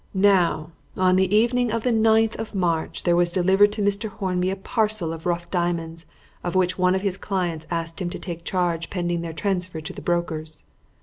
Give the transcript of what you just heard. "Now, on the evening of the ninth of March there was delivered to Mr. Hornby a parcel of rough diamonds of which one of his clients asked him to take charge pending their transfer to the brokers.